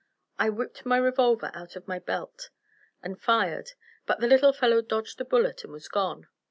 I whipped my revolver out of my belt and fired, but the little fellow dodged the bullet and was gone.